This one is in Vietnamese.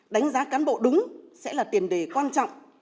đánh giá cán bộ đúng sẽ là tiền đề quan trọng